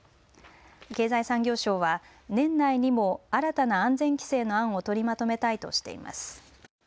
経済産業省は年内にも新たな安全規制の案を取りまとめたいとしています。